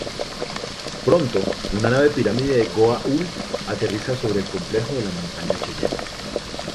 Pronto, una nave pirámide Goa'uld aterriza sobre el Complejo de la Montaña Cheyenne.